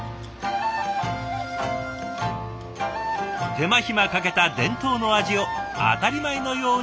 手間暇かけた伝統の味を当たり前のように食べられる。